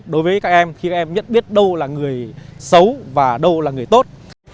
đối với các em khi các em nhận biết đâu là người xấu và đâu là người tốt